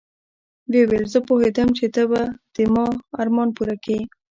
ويې ويل زه پوهېدم چې ته به د ما ارمان پوره کيې.